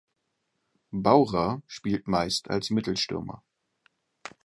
Bhaura spielte meist als Mittelstürmer.